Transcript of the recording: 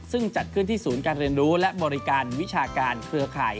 ซึ่งจัดขึ้นที่ศูนย์การเรียนรู้และบริการวิชาการเครือข่าย